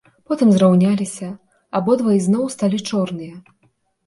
Потым зраўняліся, абодва ізноў сталі чорныя.